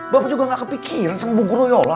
bapak juga gak kepikiran sama buguryola